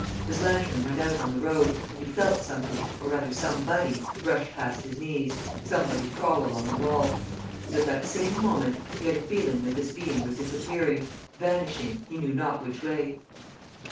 His lantern went out on the road; and he felt something, or rather somebody, brush past his knees, somebody crawl along the wall. And, at that same moment, he had a feeling that this being was disappearing, vanishing, he knew not which way.